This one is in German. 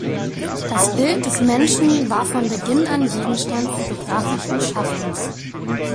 Das Bild des Menschen war von Beginn an Gegenstand photographischen Schaffens.